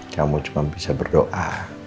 kamu cuma bisa berdoa